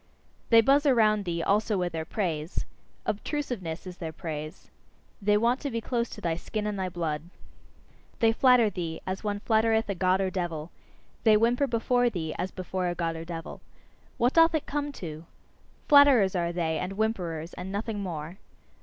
They buzz around thee also with their praise: obtrusiveness, is their praise. They want to be close to thy skin and thy blood. They flatter thee, as one flattereth a God or devil; they whimper before thee, as before a God or devil. What doth it come to! Flatterers are they, and whimperers, and nothing more.